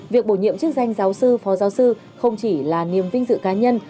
việc bổ nhiệm chức danh giáo sư phó giáo sư không chỉ là niềm vinh dự cá nhân